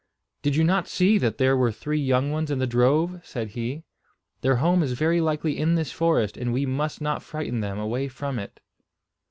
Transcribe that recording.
"Did you not see that there were three young ones in the drove?" said he. "Their home is very likely in this forest and we must not frighten them away from it."